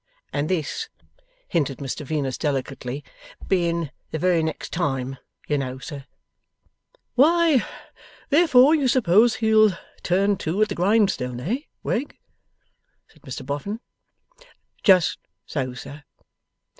And this,' hinted Mr Venus, delicately, 'being the very next time, you know, sir ' 'Why, therefore you suppose he'll turn to at the grindstone, eh, Wegg?' said Mr Boffin. 'Just so, sir.